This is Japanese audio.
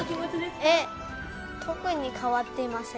えっ、特に変わっていません。